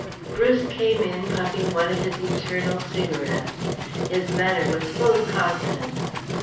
Lawrence came in puffing one of his eternal cigarettes. His manner was full of confidence.